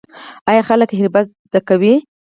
آیا خلک حرفه زده کوي؟